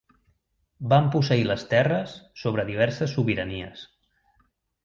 Van posseir les terres sota diverses sobiranies.